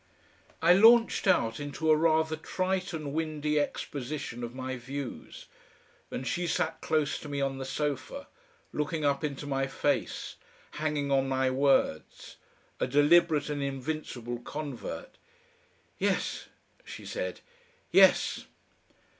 I launched out into a rather trite and windy exposition of my views, and she sat close to me on the sofa, looking up into my face, hanging on my words, a deliberate and invincible convert. "Yes," she said, "yes."...